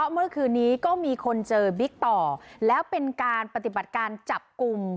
เมื่อคืนนี้ก็มีคนเจอบิ๊กต่อแล้วเป็นการปฏิบัติการจับกลุ่ม